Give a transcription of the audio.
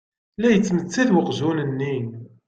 La yettmettat uqjun-nni.